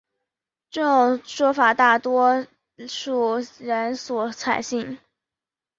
这种说法为大多数人所采信。